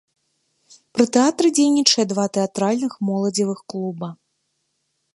Пры тэатры дзейнічае два тэатральных моладзевых клуба.